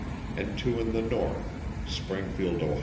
and two in the North, Springfield, O.